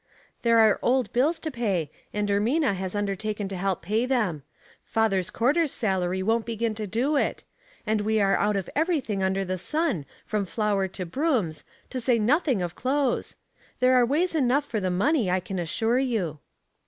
" There are old bills to pay, and Ermina has undertaken to help pay them. Father's quarter's salary won't begin to do it; and we were out of everything under the sun, from flour to brooms, to say nothing of clothes. There are ways enough for the money, I cai> assure you."